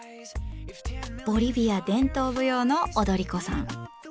ボリビア伝統舞踊の踊り子さん！